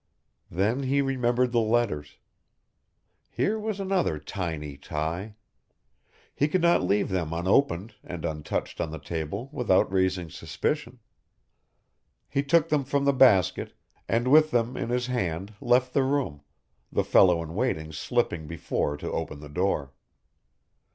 Then he remembered the letters. Here was another tiny tie. He could not leave them unopened and untouched on the table without raising suspicion. He took them from the basket, and with them in his hand left the room, the fellow in waiting slipping before to open the door.